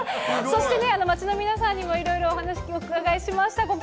そしてね、街の皆さんにもいろいろお話をお伺いしました。